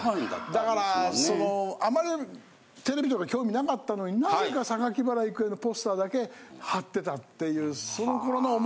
だからそのあまりテレビとか興味なかったのになぜか榊原郁恵のポスターだけ貼ってたっていうその頃の。